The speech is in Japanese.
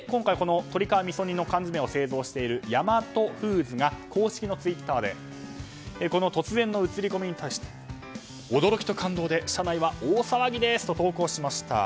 今回、缶詰を製造しているヤマトフーズが公式のツイッターで突然の映り込みに対して驚きと感動で社内は大騒ぎですと投稿しました。